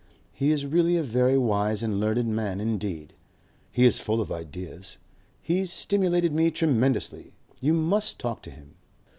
He is really a very wise and learned man indeed. He is full of ideas. He's stimulated me tremendously. You must talk to him."